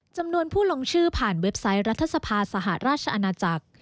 จำนวนผู้ลงชื่อผ่านเว็บไซต์รัฐสภาสหราชอาณาจักร